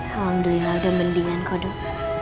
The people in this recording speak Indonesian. alhamdulillah udah mendingan kodok